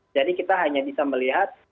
jadi kita hanya bisa melihat